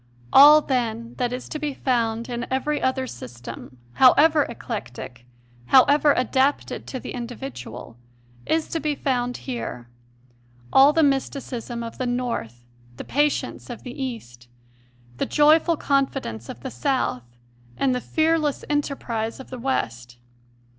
All, then, that is to be found in every other system, however eclectic, however adapted to the individual, is to be found here all the mysticism of the North, the patience of the East, the joyful confi dence of the South, and the fearless enterprise of the West.